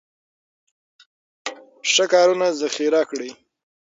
ښه کارونه ذخیره کړئ.